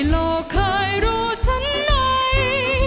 โปรดติดตามต่อไป